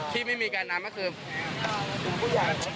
ที่ไม่มีการนำก็คือ